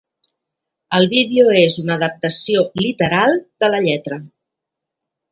El vídeo és una adaptació literal de la lletra.